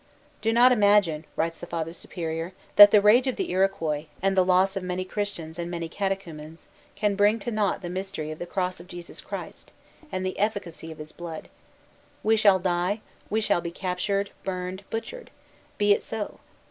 "Do not imagine," writes the Father Superior, "that the rage of the Iroquois, and the loss of many Christians and many catechumens, can bring to nought the mystery of the cross of Jesus Christ, and the efficacy of his blood. We shall die; we shall be captured, burned, butchered: be it so.